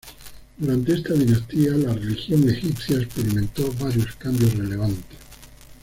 Durante esta dinastía, la religión egipcia experimentó varios cambios relevantes.